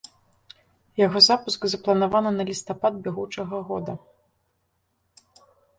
Яго запуск запланаваны на лістапад бягучага года.